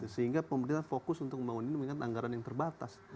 sehingga pemerintah fokus untuk membangun ini mengingat anggaran yang terbatas